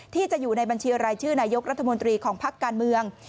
ที่จะอยู่ในบัญชีรายชื่อนายกรัฐมนตรีของพักการเมือง